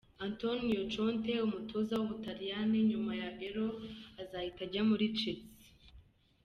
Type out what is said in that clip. Antonio Conte umutoza w'Ubutaliyani nyuma ya Euro azahita ajya muri Chelsea.